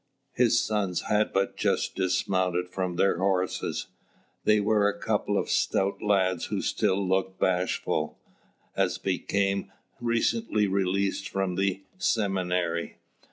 His sons had but just dismounted from their horses. They were a couple of stout lads who still looked bashful, as became youths recently released from the seminary.